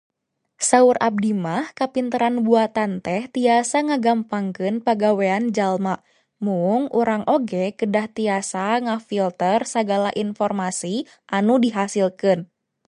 Saur abdi mah kapinteran buatan teh tiasa ngagampangkeun pagawean jalma. Mung, urang oge kedah tiasa ngafilter sagala informasi anu dihasilkeun.